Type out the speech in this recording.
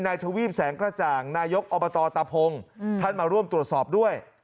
ทวีปแสงกระจ่างนายกอบตตะพงท่านมาร่วมตรวจสอบด้วย